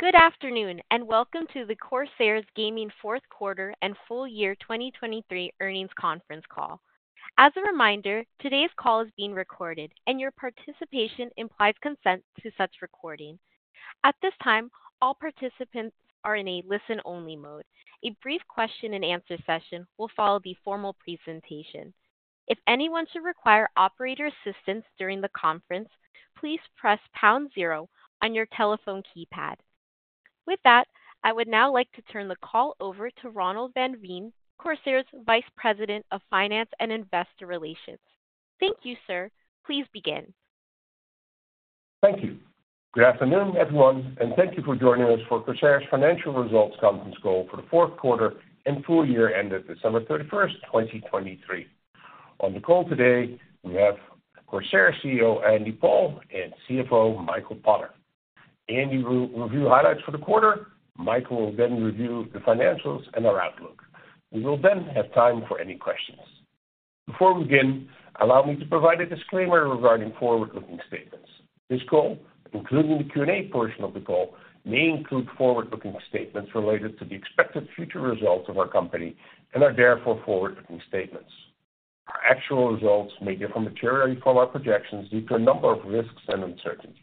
Good afternoon and welcome to the CORSAIR Gaming's Fourth Quarter and Full Year 2023 earnings conference call. As a reminder, today's call is being recorded, and your participation implies consent to such recording. At this time, all participants are in a listen-only mode. A brief question-and-answer session will follow the formal presentation. If anyone should require operator assistance during the conference, please press pound 0 on your telephone keypad. With that, I would now like to turn the call over to Ronald van Veen, CORSAIR Gaming's Vice President of Finance and Investor Relations. Thank you, sir. Please begin. Thank you. Good afternoon, everyone, and thank you for joining us for CORSAIR's Financial Results Conference call for the fourth quarter and full year ended December 31st, 2023. On the call today, we have CORSAIR's CEO, Andy Paul and CFO Michael Potter. Andy will review highlights for the quarter, Michael will then review the financials and our outlook. We will then have time for any questions. Before we begin, allow me to provide a disclaimer regarding forward-looking statements. This call, including the Q&A portion of the call, may include forward-looking statements related to the expected future results of our company and are therefore forward-looking statements. Our actual results may differ materially from our projections due to a number of risks and uncertainties.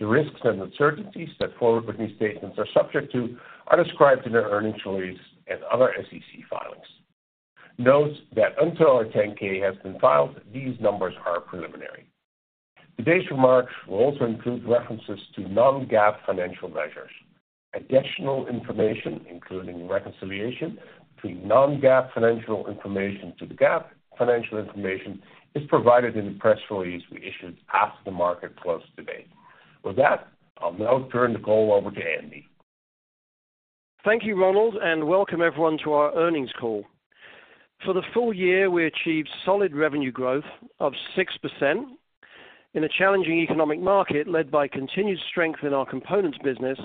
The risks and uncertainties that forward-looking statements are subject to are described in our earnings release and other SEC filings. Note that until our 10-K has been filed, these numbers are preliminary. Today's remarks will also include references to non-GAAP financial measures. Additional information, including reconciliation between non-GAAP financial information to the GAAP financial information, is provided in the press release we issued after the market closed today. With that, I'll now turn the call over to Andy. Thank you, Ronald, and welcome everyone to our earnings call. For the full year, we achieved solid revenue growth of 6% in a challenging economic market led by continued strength in our components business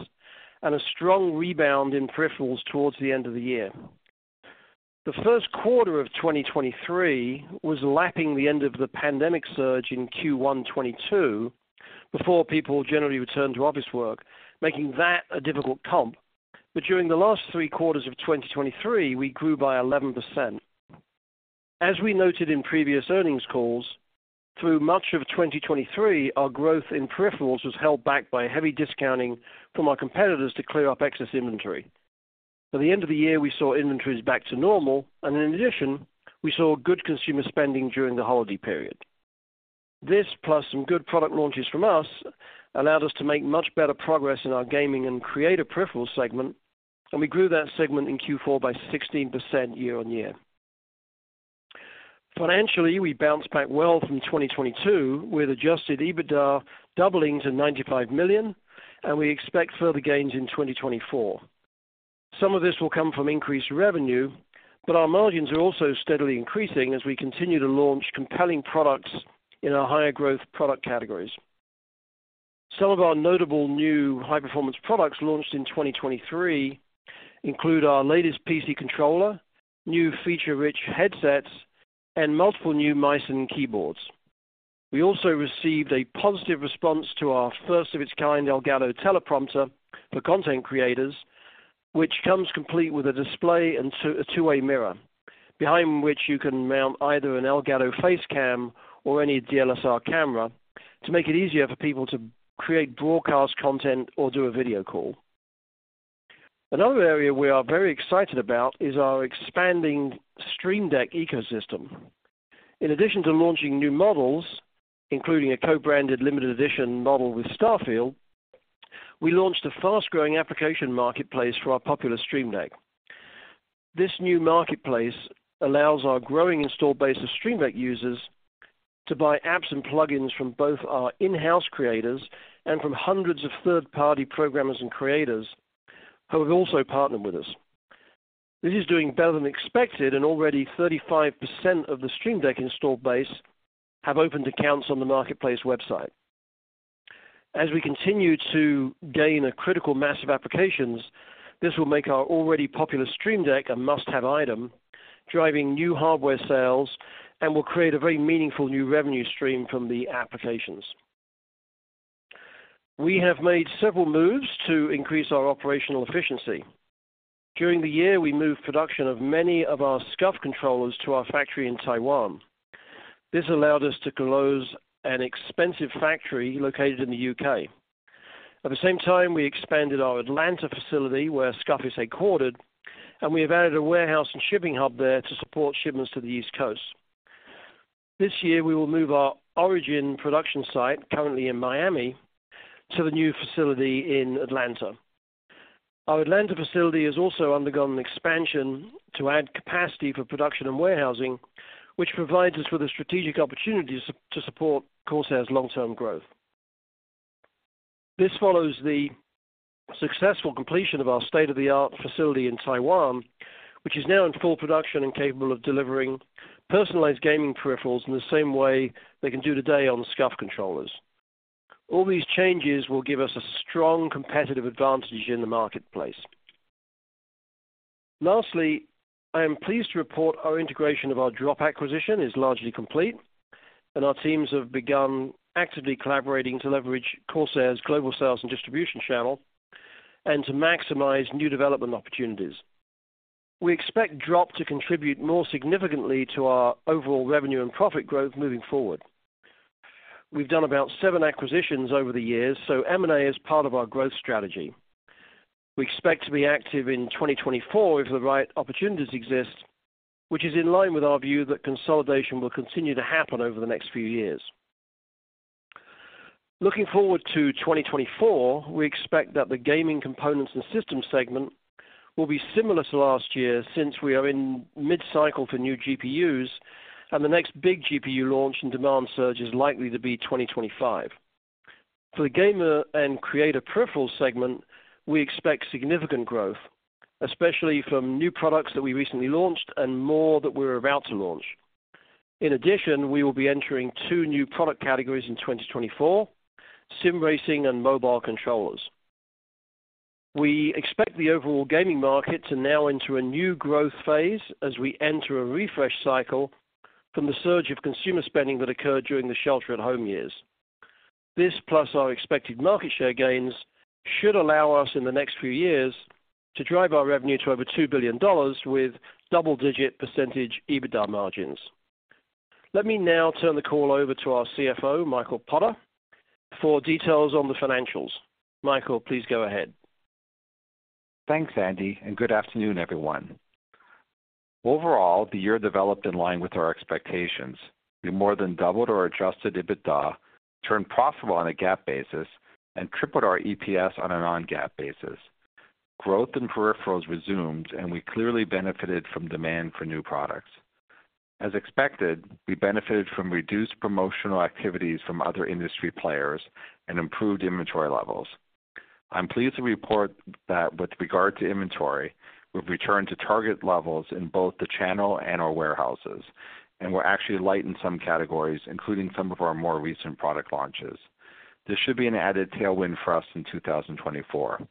and a strong rebound in peripherals towards the end of the year. The first quarter of 2023 was lapping the end of the pandemic surge in Q1 2022 before people generally returned to office work, making that a difficult comp. During the last three quarters of 2023, we grew by 11%. As we noted in previous earnings calls, through much of 2023, our growth in peripherals was held back by heavy discounting from our competitors to clear up excess inventory. By the end of the year, we saw inventories back to normal, and in addition, we saw good consumer spending during the holiday period. This, plus some good product launches from us, allowed us to make much better progress in our gaming and creator peripheral segment, and we grew that segment in Q4 by 16% year-over-year. Financially, we bounced back well from 2022 with Adjusted EBITDA doubling to $95 million, and we expect further gains in 2024. Some of this will come from increased revenue, but our margins are also steadily increasing as we continue to launch compelling products in our higher growth product categories. Some of our notable new high-performance products launched in 2023 include our latest PC controller, new feature-rich headsets, and multiple new MySync keyboards. We also received a positive response to our first-of-its-kind Elgato Teleprompter for content creators, which comes complete with a display and a two-way mirror behind which you can mount either an Elgato Facecam or any DSLR camera to make it easier for people to create broadcast content or do a video call. Another area we are very excited about is our expanding Stream Deck ecosystem. In addition to launching new models, including a co-branded limited edition model with Starfield, we launched a fast-growing application marketplace for our popular Stream Deck. This new marketplace allows our growing install base of Stream Deck users to buy apps and plugins from both our in-house creators and from hundreds of third-party programmers and creators who have also partnered with us. This is doing better than expected, and already 35% of the Stream Deck install base have opened accounts on the marketplace website. As we continue to gain a critical mass of applications, this will make our already popular Stream Deck a must-have item, driving new hardware sales, and will create a very meaningful new revenue stream from the applications. We have made several moves to increase our operational efficiency. During the year, we moved production of many of our SCUF controllers to our factory in Taiwan. This allowed us to close an expensive factory located in the U.K. At the same time, we expanded our Atlanta facility where SCUF is headquartered, and we have added a warehouse and shipping hub there to support shipments to the East Coast. This year, we will move our ORIGIN production site, currently in Miami, to the new facility in Atlanta. Our Atlanta facility has also undergone an expansion to add capacity for production and warehousing, which provides us with a strategic opportunity to support CORSAIR's long-term growth. This follows the successful completion of our state-of-the-art facility in Taiwan, which is now in full production and capable of delivering personalized gaming peripherals in the same way they can do today on SCUF controllers. All these changes will give us a strong competitive advantage in the marketplace. Lastly, I am pleased to report our integration of our Drop acquisition is largely complete, and our teams have begun actively collaborating to leverage CORSAIR's global sales and distribution channel and to maximize new development opportunities. We expect Drop to contribute more significantly to our overall revenue and profit growth moving forward. We've done about seven acquisitions over the years, so M&A is part of our growth strategy. We expect to be active in 2024 if the right opportunities exist, which is in line with our view that consolidation will continue to happen over the next few years. Looking forward to 2024, we expect that the gaming components and systems segment will be similar to last year since we are in mid-cycle for new GPUs, and the next big GPU launch and demand surge is likely to be 2025. For the gamer and creator peripheral segment, we expect significant growth, especially from new products that we recently launched and more that we're about to launch. In addition, we will be entering two new product categories in 2024: sim racing and mobile controllers. We expect the overall gaming market to now enter a new growth phase as we enter a refresh cycle from the surge of consumer spending that occurred during the shelter-at-home years. This, plus our expected market share gains, should allow us in the next few years to drive our revenue to over $2 billion with double-digit percentage EBITDA margins. Let me now turn the call over to our CFO, Michael Potter, for details on the financials. Michael, please go ahead. Thanks, Andy, and good afternoon, everyone. Overall, the year developed in line with our expectations. We more than doubled our Adjusted EBITDA, turned profitable on a GAAP basis, and tripled our EPS on a non-GAAP basis. Growth in peripherals resumed, and we clearly benefited from demand for new products. As expected, we benefited from reduced promotional activities from other industry players and improved inventory levels. I'm pleased to report that with regard to inventory, we've returned to target levels in both the channel and our warehouses, and we're actually lightening some categories, including some of our more recent product launches. This should be an added tailwind for us in 2024.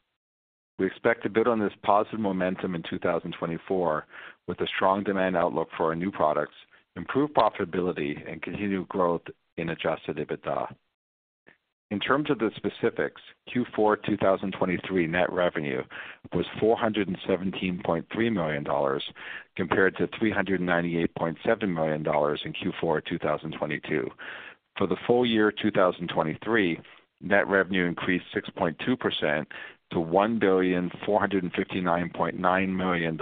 We expect to build on this positive momentum in 2024 with a strong demand outlook for our new products, improved profitability, and continued growth in Adjusted EBITDA. In terms of the specifics, Q4 2023 net revenue was $417.3 million compared to $398.7 million in Q4 2022. For the full year 2023, net revenue increased 6.2% to $1,459.9 billion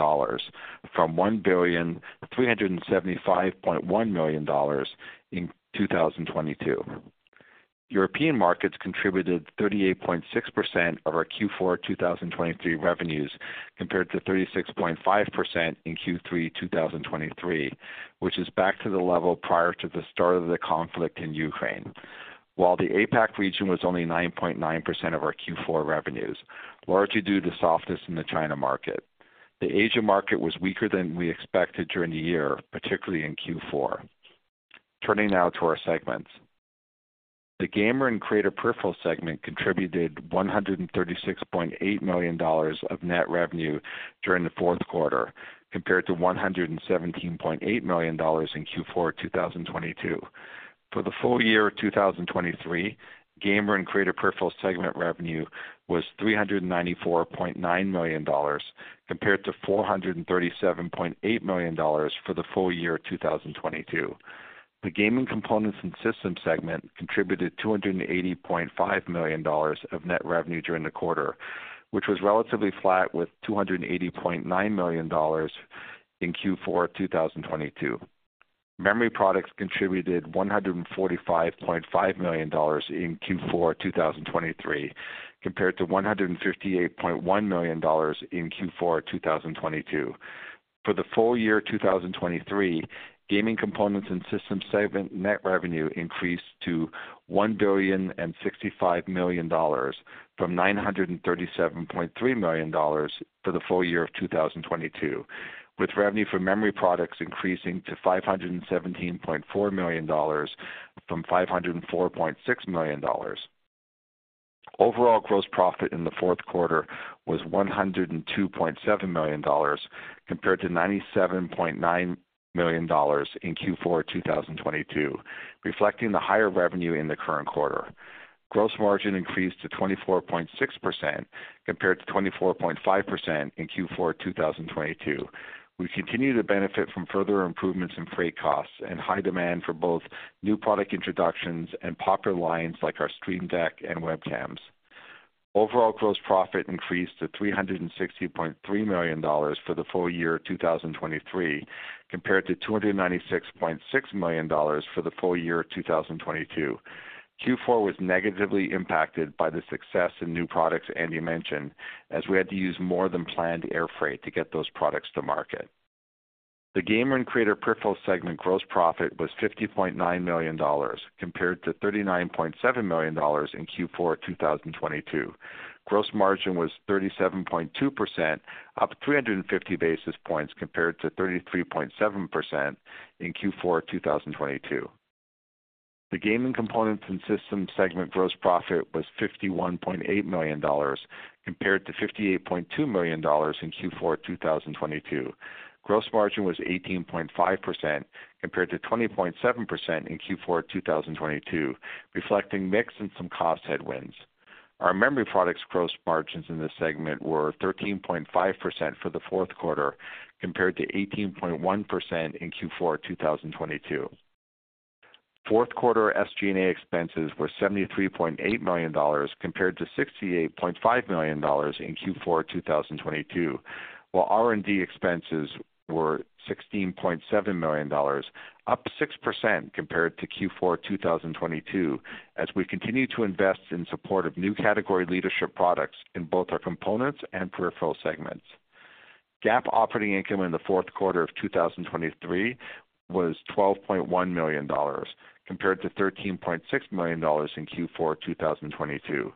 from $1,375.1 billion in 2022. European markets contributed 38.6% of our Q4 2023 revenues compared to 36.5% in Q3 2023, which is back to the level prior to the start of the conflict in Ukraine, while the APAC region was only 9.9% of our Q4 revenues, largely due to softness in the China market. The Asia market was weaker than we expected during the year, particularly in Q4. Turning now to our segments. The gamer and creator peripheral segment contributed $136.8 million of net revenue during the fourth quarter compared to $117.8 million in Q4 2022. For the full year 2023, gamer and creator peripheral segment revenue was $394.9 million compared to $437.8 million for the full year 2022. The gaming components and systems segment contributed $280.5 million of net revenue during the quarter, which was relatively flat with $280.9 million in Q4 2022. Memory products contributed $145.5 million in Q4 2023 compared to $158.1 million in Q4 2022. For the full year 2023, gaming components and systems segment net revenue increased to $1.065 billion from $937.3 million for the full year of 2022, with revenue for memory products increasing to $517.4 million from $504.6 million. Overall gross profit in the fourth quarter was $102.7 million compared to $97.9 million in Q4 2022, reflecting the higher revenue in the current quarter. Gross margin increased to 24.6% compared to 24.5% in Q4 2022. We continue to benefit from further improvements in freight costs and high demand for both new product introductions and popular lines like our Stream Deck and webcams. Overall gross profit increased to $360.3 million for the full year 2023 compared to $296.6 million for the full year of 2022. Q4 was negatively impacted by the success in new products Andy mentioned, as we had to use more than planned air freight to get those products to market. The gamer and creator peripheral segment gross profit was $50.9 million compared to $39.7 million in Q4 2022. Gross margin was 37.2%, up 350 basis points compared to 33.7% in Q4 2022. The gaming components and systems segment gross profit was $51.8 million compared to $58.2 million in Q4 2022. Gross margin was 18.5% compared to 20.7% in Q4 2022, reflecting mixed and some cost headwinds. Our memory products gross margins in this segment were 13.5% for the fourth quarter compared to 18.1% in Q4 2022. Fourth quarter SG&A expenses were $73.8 million compared to $68.5 million in Q4 2022, while R&D expenses were $16.7 million, up 6% compared to Q4 2022, as we continue to invest in support of new category leadership products in both our components and peripheral segments. GAAP operating income in the fourth quarter of 2023 was $12.1 million compared to $13.6 million in Q4 2022.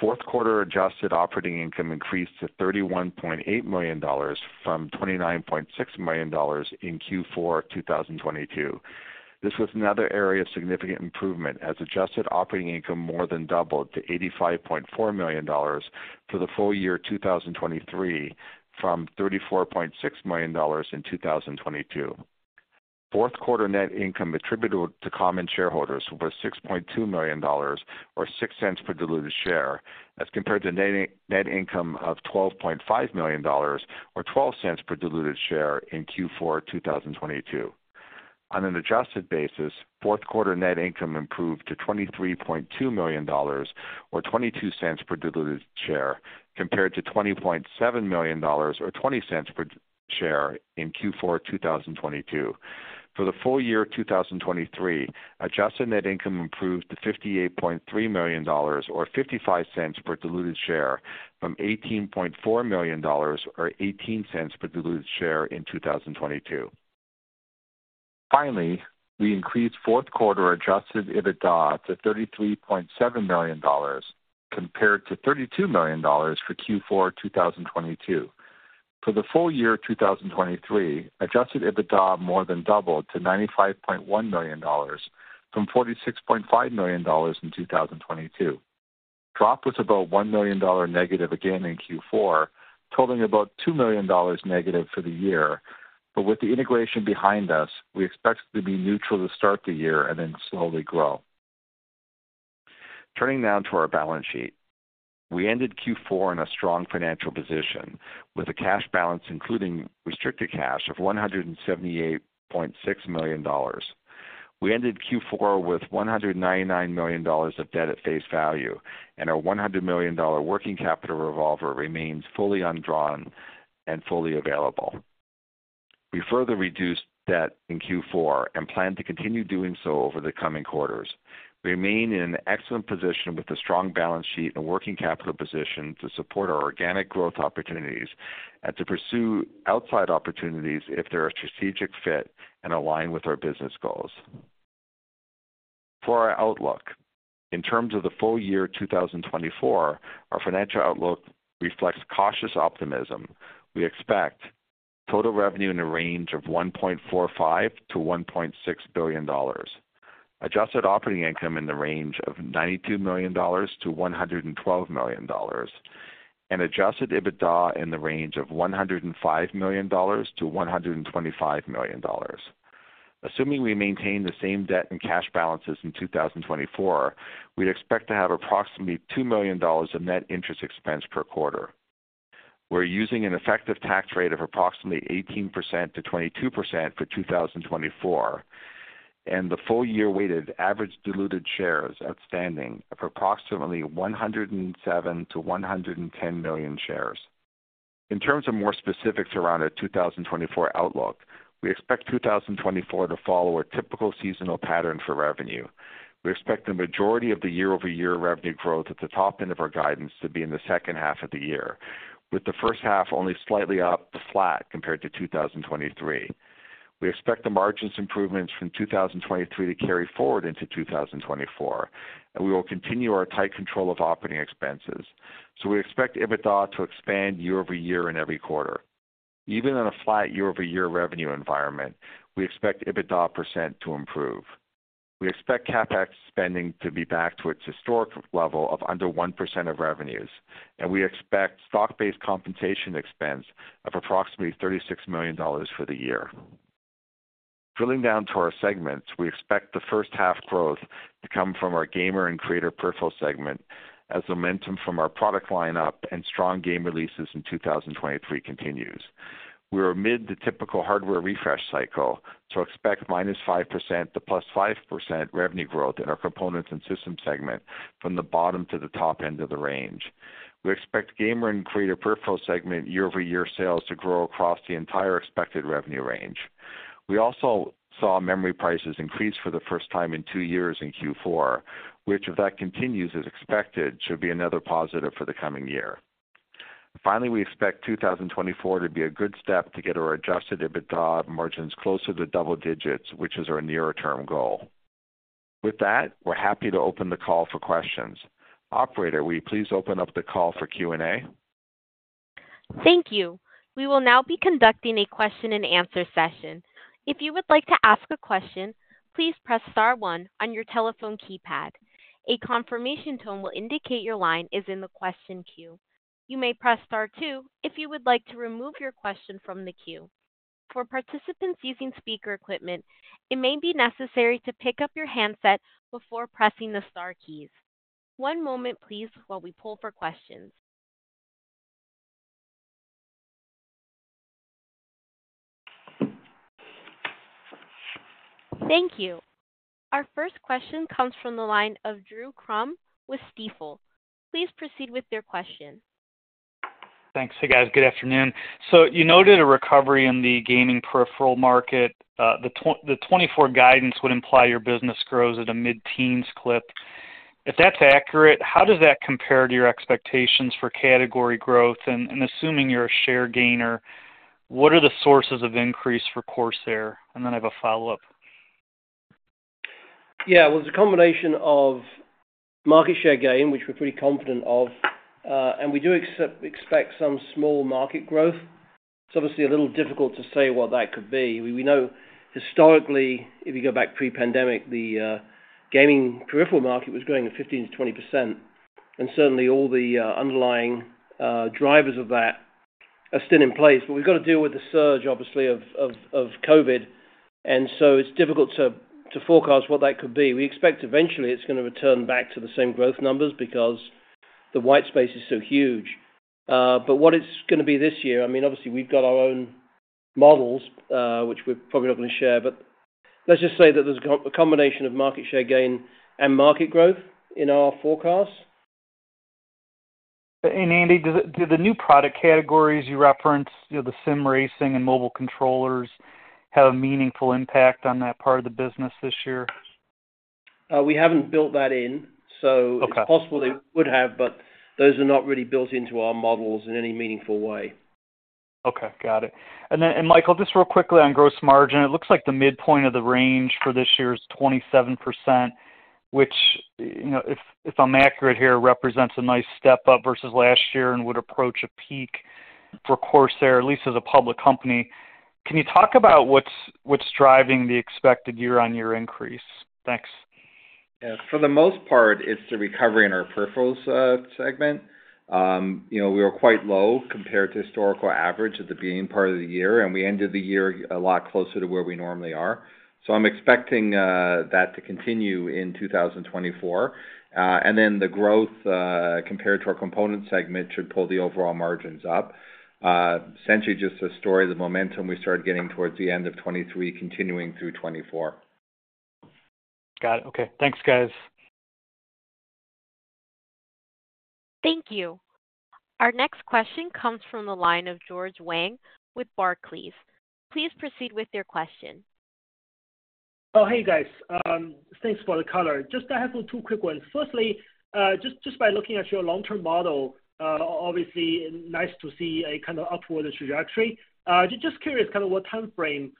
Fourth quarter adjusted operating income increased to $31.8 million from $29.6 million in Q4 2022. This was another area of significant improvement, as adjusted operating income more than doubled to $85.4 million for the full year 2023 from $34.6 million in 2022. Fourth quarter net income attributed to common shareholders was $6.2 million or $0.06 per diluted share as compared to net income of $12.5 million or $0.12 per diluted share in Q4 2022. On an adjusted basis, fourth quarter net income improved to $23.2 million or $0.22 per diluted share compared to $20.7 million or $0.20 per share in Q4 2022. For the full year 2023, adjusted net income improved to $58.3 million or $0.55 per diluted share from $18.4 million or $0.18 per diluted share in 2022. Finally, we increased fourth quarter Adjusted EBITDA to $33.7 million compared to $32 million for Q4 2022. For the full year 2023, Adjusted EBITDA more than doubled to $95.1 million from $46.5 million in 2022. Drop was about -$1 million again in Q4, totaling about -$2 million for the year. But with the integration behind us, we expect it to be neutral to start the year and then slowly grow. Turning now to our balance sheet. We ended Q4 in a strong financial position with a cash balance including restricted cash of $178.6 million. We ended Q4 with $199 million of debt at face value, and our $100 million working capital revolver remains fully undrawn and fully available. We further reduced debt in Q4 and plan to continue doing so over the coming quarters. We remain in an excellent position with a strong balance sheet and working capital position to support our organic growth opportunities and to pursue outside opportunities if they're a strategic fit and align with our business goals. For our outlook, in terms of the full year 2024, our financial outlook reflects cautious optimism. We expect total revenue in the range of $1.45 billion-$1.6 billion, adjusted operating income in the range of $92 million-$112 million, and adjusted EBITDA in the range of $105 million-$125 million. Assuming we maintain the same debt and cash balances in 2024, we'd expect to have approximately $2 million of net interest expense per quarter. We're using an effective tax rate of approximately 18%-22% for 2024, and the full year weighted average diluted shares outstanding of approximately 107 million-110 million shares. In terms of more specifics around our 2024 outlook, we expect 2024 to follow a typical seasonal pattern for revenue. We expect the majority of the year-over-year revenue growth at the top end of our guidance to be in the second half of the year, with the first half only slightly up to flat compared to 2023. We expect the margins improvements from 2023 to carry forward into 2024, and we will continue our tight control of operating expenses. So we expect EBITDA to expand year-over-year in every quarter. Even in a flat year-over-year revenue environment, we expect EBITDA % to improve. We expect CapEx spending to be back to its historic level of under 1% of revenues, and we expect stock-based compensation expense of approximately $36 million for the year. Drilling down to our segments, we expect the first half growth to come from our gamer and creator peripheral segment as momentum from our product lineup and strong game releases in 2023 continues. We are mid the typical hardware refresh cycle, so expect -5% to +5% revenue growth in our components and systems segment from the bottom to the top end of the range. We expect gamer and creator peripheral segment year-over-year sales to grow across the entire expected revenue range. We also saw memory prices increase for the first time in two years in Q4, which, if that continues as expected, should be another positive for the coming year. Finally, we expect 2024 to be a good step to get our Adjusted EBITDA margins closer to double digits, which is our nearer-term goal. With that, we're happy to open the call for questions. Operator, will you please open up the call for Q&A? Thank you. We will now be conducting a question-and-answer session. If you would like to ask a question, please press star one on your telephone keypad. A confirmation tone will indicate your line is in the question queue. You may press star two if you would like to remove your question from the queue. For participants using speaker equipment, it may be necessary to pick up your handset before pressing the star keys. One moment, please, while we poll for questions. Thank you. Our first question comes from the line of Drew Crum with Stifel. Please proceed with your question. Thanks. Hey, guys. Good afternoon. So you noted a recovery in the gaming peripheral market. The 2024 guidance would imply your business grows at a mid-teens clip. If that's accurate, how does that compare to your expectations for category growth? And assuming you're a share gainer, what are the sources of increase for CORSAIR? And then I have a follow-up. Yeah. Well, it's a combination of market share gain, which we're pretty confident of, and we do expect some small market growth. It's obviously a little difficult to say what that could be. We know historically, if you go back pre-pandemic, the gaming peripheral market was growing 15%-20%. And certainly, all the underlying drivers of that are still in place. But we've got to deal with the surge, obviously, of COVID. And so it's difficult to forecast what that could be. We expect eventually it's going to return back to the same growth numbers because the white space is so huge. But what it's going to be this year I mean, obviously, we've got our own models, which we're probably not going to share. But let's just say that there's a combination of market share gain and market growth in our forecast. Andy, do the new product categories you referenced, the Sim racing and mobile controllers, have a meaningful impact on that part of the business this year? We haven't built that in. So it's possible they would have, but those are not really built into our models in any meaningful way. Okay. Got it. And Michael, just real quickly on gross margin, it looks like the midpoint of the range for this year is 27%, which, if I'm accurate here, represents a nice step up versus last year and would approach a peak for CORSAIR, at least as a public company. Can you talk about what's driving the expected year-on-year increase? Thanks. Yeah. For the most part, it's the recovery in our peripherals segment. We were quite low compared to historical average at the beginning part of the year, and we ended the year a lot closer to where we normally are. So I'm expecting that to continue in 2024. And then the growth compared to our component segment should pull the overall margins up. Essentially, just a story of the momentum we started getting towards the end of 2023 continuing through 2024. Got it. Okay. Thanks, guys. Thank you. Our next question comes from the line of George Wang with Barclays. Please proceed with your question. Oh, hey, guys. Thanks for the caller. Just, I have two quick ones. Firstly, just by looking at your long-term model, obviously, nice to see a kind of upward trajectory. Just curious kind of what timeframe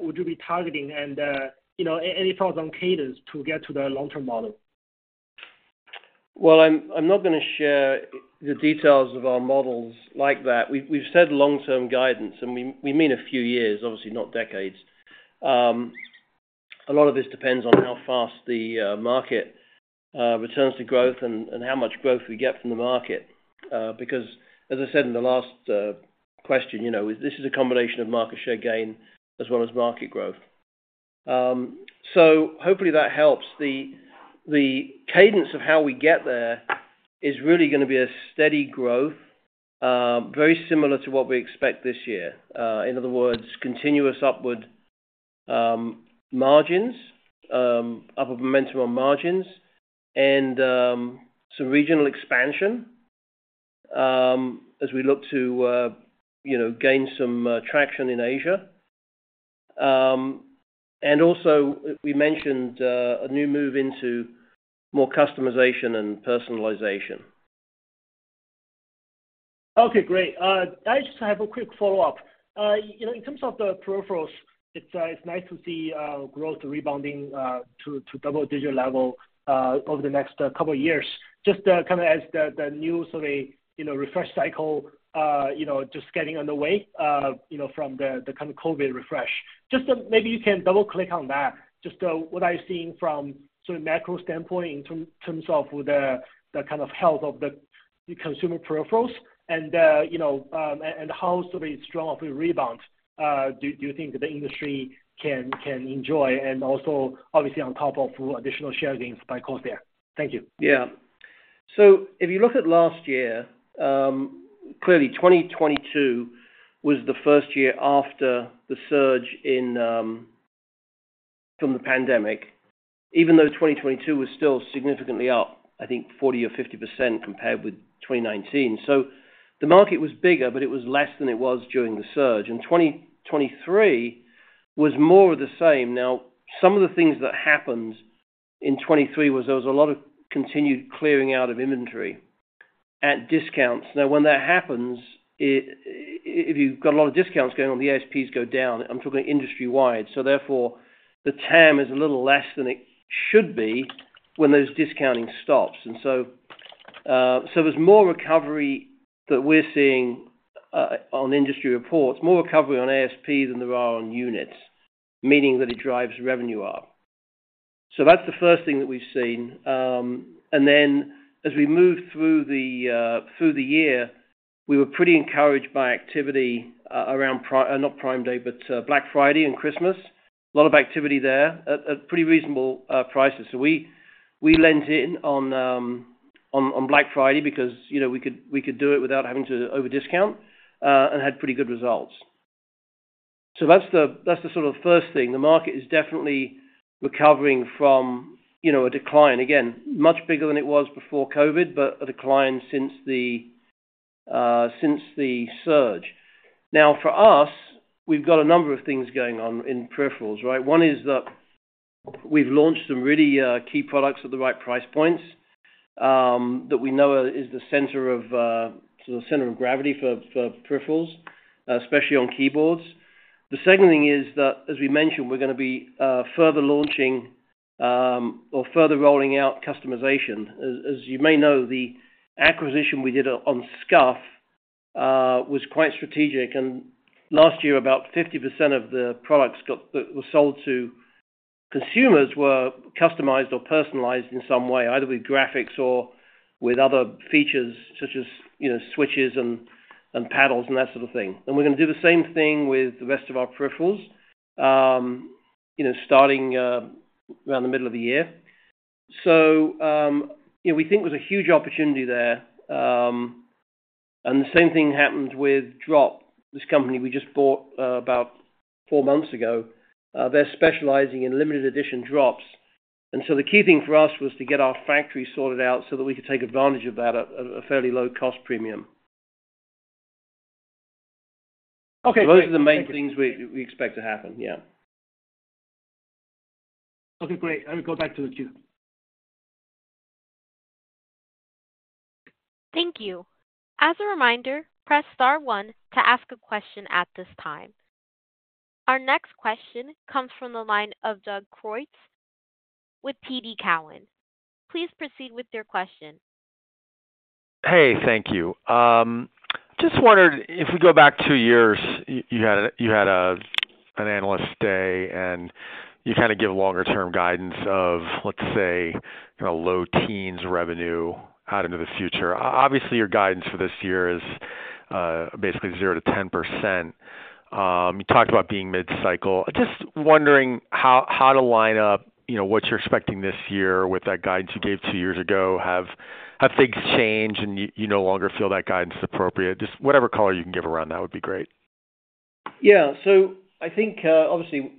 would you be targeting and any thoughts on cadence to get to the long-term model? Well, I'm not going to share the details of our models like that. We've said long-term guidance, and we mean a few years, obviously, not decades. A lot of this depends on how fast the market returns to growth and how much growth we get from the market. Because as I said in the last question, this is a combination of market share gain as well as market growth. So hopefully, that helps. The cadence of how we get there is really going to be a steady growth, very similar to what we expect this year. In other words, continuous upward margins, upper momentum on margins, and some regional expansion as we look to gain some traction in Asia. And also, we mentioned a new move into more customization and personalization. Okay. Great. I just have a quick follow-up. In terms of the peripherals, it's nice to see growth rebounding to double-digit level over the next couple of years, just kind of as the new sort of refresh cycle just getting underway from the kind of COVID refresh. Just maybe you can double-click on that, just what I've seen from sort of macro standpoint in terms of the kind of health of the consumer peripherals and how sort of strong of a rebound do you think the industry can enjoy, and also, obviously, on top of additional share gains by CORSAIR. Thank you. Yeah. So if you look at last year, clearly, 2022 was the first year after the surge from the pandemic, even though 2022 was still significantly up, I think, 40% or 50% compared with 2019. So the market was bigger, but it was less than it was during the surge. And 2023 was more of the same. Now, some of the things that happened in 2023 was there was a lot of continued clearing out of inventory at discounts. Now, when that happens, if you've got a lot of discounts going on, the ASPs go down. I'm talking industry-wide. So therefore, the TAM is a little less than it should be when those discounting stops. And so there's more recovery that we're seeing on industry reports, more recovery on ASP than there are on units, meaning that it drives revenue up. So that's the first thing that we've seen. And then as we moved through the year, we were pretty encouraged by activity around not Prime Day, but Black Friday and Christmas, a lot of activity there at pretty reasonable prices. So we leaned in on Black Friday because we could do it without having to over-discount and had pretty good results. So that's the sort of first thing. The market is definitely recovering from a decline, again, much bigger than it was before COVID, but a decline since the surge. Now, for us, we've got a number of things going on in peripherals, right? One is that we've launched some really key products at the right price points that we know is the center of sort of center of gravity for peripherals, especially on keyboards. The second thing is that, as we mentioned, we're going to be further launching or further rolling out customization. As you may know, the acquisition we did on SCUF was quite strategic. Last year, about 50% of the products that were sold to consumers were customized or personalized in some way, either with graphics or with other features such as switches and paddles and that sort of thing. And we're going to do the same thing with the rest of our peripherals starting around the middle of the year. So we think there's a huge opportunity there. And the same thing happened with Drop, this company we just bought about four months ago. They're specializing in limited-edition Drops. And so the key thing for us was to get our factory sorted out so that we could take advantage of that at a fairly low-cost premium. So those are the main things we expect to happen. Yeah. Okay. Great. I will go back to the queue. Thank you. As a reminder, press star one to ask a question at this time. Our next question comes from the line of Doug Creutz with TD Cowen. Please proceed with your question. Hey. Thank you. Just wondered, if we go back two years, you had an analyst day, and you kind of give longer-term guidance of, let's say, kind of low-teens revenue out into the future. Obviously, your guidance for this year is basically 0%-10%. You talked about being mid-cycle. Just wondering how to line up what you're expecting this year with that guidance you gave two years ago. Have things changed, and you no longer feel that guidance is appropriate? Just whatever color you can give around that would be great. Yeah. So I think, obviously,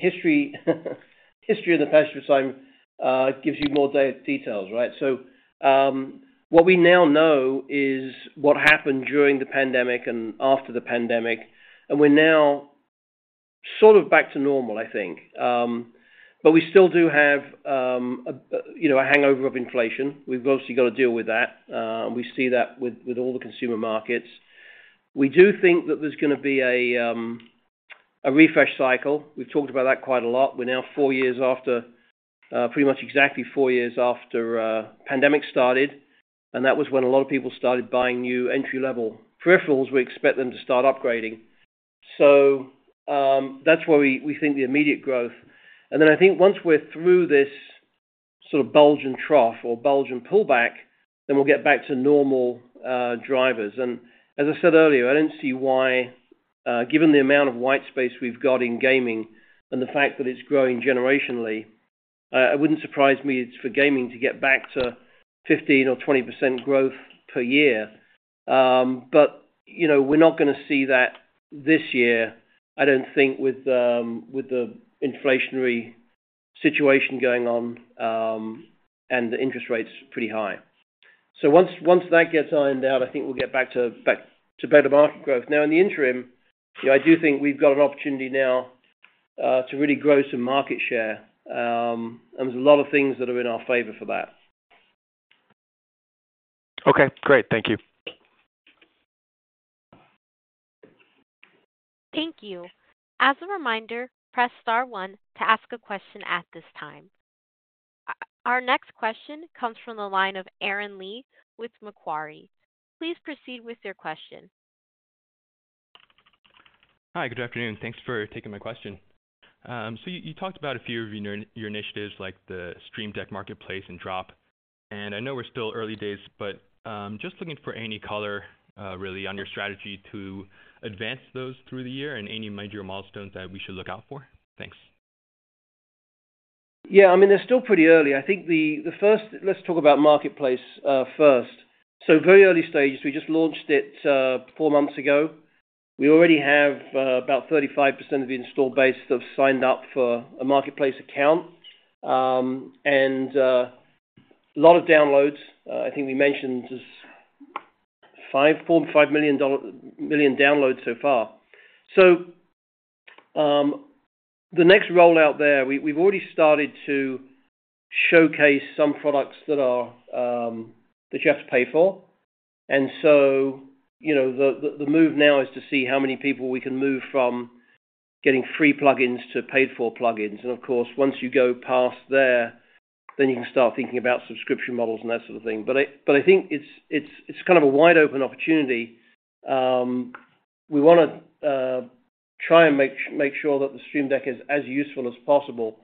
history in the past year time gives you more details, right? So what we now know is what happened during the pandemic and after the pandemic, and we're now sort of back to normal, I think. But we still do have a hangover of inflation. We've obviously got to deal with that. We see that with all the consumer markets. We do think that there's going to be a refresh cycle. We've talked about that quite a lot. We're now four years after pretty much exactly four years after pandemic started, and that was when a lot of people started buying new entry-level peripherals. We expect them to start upgrading. So that's why we think the immediate growth. And then I think once we're through this sort of bulge and trough or bulge and pullback, then we'll get back to normal drivers. As I said earlier, I don't see why, given the amount of white space we've got in gaming and the fact that it's growing generationally, it wouldn't surprise me for gaming to get back to 15% or 20% growth per year. But we're not going to see that this year, I don't think, with the inflationary situation going on and the interest rates pretty high. So once that gets ironed out, I think we'll get back to better market growth. Now, in the interim, I do think we've got an opportunity now to really grow some market share. And there's a lot of things that are in our favor for that. Okay. Great. Thank you. Thank you. As a reminder, press star one to ask a question at this time. Our next question comes from the line of Aaron Lee with Macquarie. Please proceed with your question. Hi. Good afternoon. Thanks for taking my question. You talked about a few of your initiatives like the Stream Deck Marketplace and Drop. I know we're still early days, but just looking for any color, really, on your strategy to advance those through the year and any major milestones that we should look out for. Thanks. Yeah. I mean, they're still pretty early. I think the first let's talk about Marketplace first. So very early stages, we just launched it four months ago. We already have about 35% of the install base that have signed up for a Marketplace account and a lot of downloads. I think we mentioned there's 4 million downloads so far. So the next rollout there, we've already started to showcase some products that you have to pay for. And so the move now is to see how many people we can move from getting free plugins to paid-for plugins. And of course, once you go past there, then you can start thinking about subscription models and that sort of thing. But I think it's kind of a wide-open opportunity. We want to try and make sure that the Stream Deck is as useful as possible.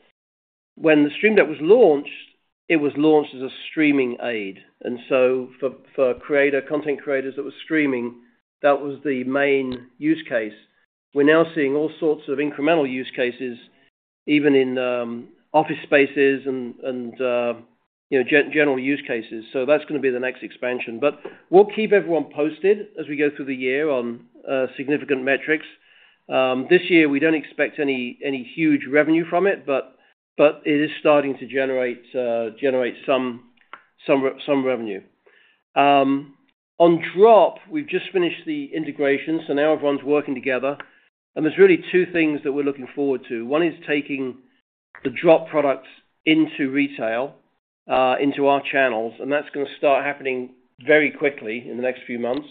When the Stream Deck was launched, it was launched as a streaming aid. And so for content creators that were streaming, that was the main use case. We're now seeing all sorts of incremental use cases, even in office spaces and general use cases. So that's going to be the next expansion. But we'll keep everyone posted as we go through the year on significant metrics. This year, we don't expect any huge revenue from it, but it is starting to generate some revenue. On Drop, we've just finished the integration. So now everyone's working together. And there's really two things that we're looking forward to. One is taking the Drop products into retail, into our channels. And that's going to start happening very quickly in the next few months.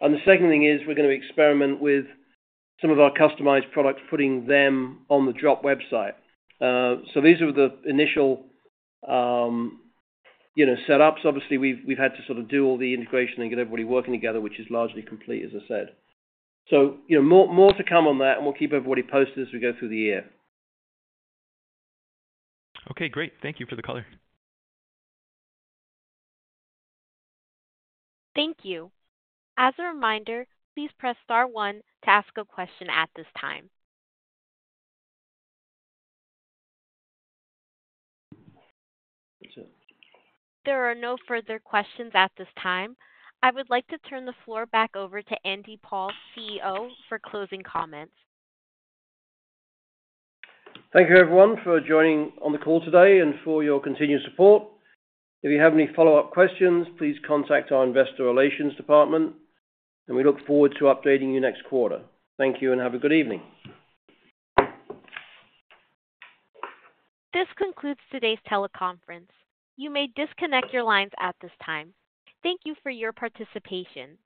The second thing is we're going to experiment with some of our customized products, putting them on the Drop website. So these are the initial setups. Obviously, we've had to sort of do all the integration and get everybody working together, which is largely complete, as I said. So more to come on that, and we'll keep everybody posted as we go through the year. Okay. Great. Thank you for the color. Thank you. As a reminder, please press star one to ask a question at this time. There are no further questions at this time. I would like to turn the floor back over to Andy Paul, CEO, for closing comments. Thank you, everyone, for joining on the call today and for your continued support. If you have any follow-up questions, please contact our investor relations department, and we look forward to updating you next quarter. Thank you, and have a good evening. This concludes today's teleconference. You may disconnect your lines at this time. Thank you for your participation.